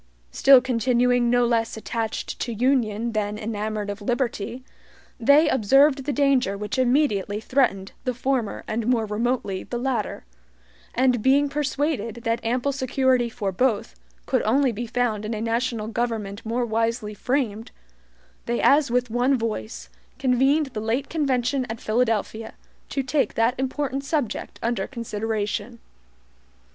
Still continuing no less attached to union than enamored of liberty, they observed the danger which immediately threatened the former and more remotely the latter; and being persuaded that ample security for both could only be found in a national government more wisely framed, they as with one voice, convened the late convention at Philadelphia, to take that important subject under consideration.